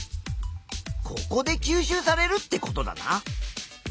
ここで吸収されるってことだな。